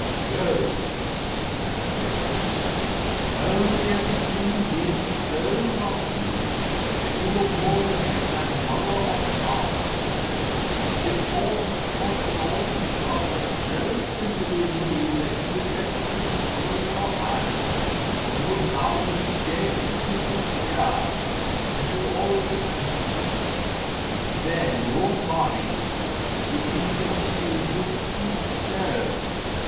" THE MERMAID n " No," said the grandmother, " only if a human being so loved you, that you were more to him than father or mother, if all his thoughts and all his love were so centred in you that he would let the priest join your hands and would vow to be faithful to you here, and to all eternity; then your body would become infused with his soul.